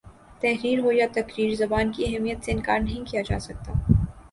تحریر ہو یا تقریر زبان کی اہمیت سے انکار نہیں کیا جا سکتا